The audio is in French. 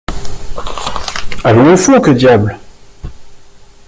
Allons au fond, que diable!